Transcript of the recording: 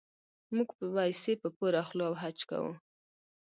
موږ پیسې په پور اخلو او حج کوو.